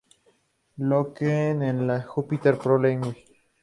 Lokeren de la Jupiler Pro League.